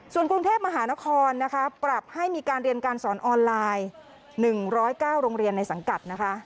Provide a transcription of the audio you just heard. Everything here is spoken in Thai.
ส่วนกรุงเทพมหานครนะคะปรับให้มีการเรียนการสอนออนไลน์๑๐๙โรงเรียนในสังกัดนะคะ